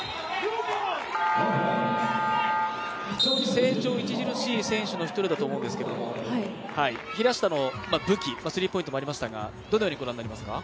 成長著しい選手の一人だと思うんですけど平下の武器スリーポイントもありましたがどのようにご覧になりますか。